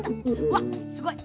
わっすごい！